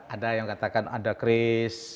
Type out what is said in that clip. ada yang katakan ada kris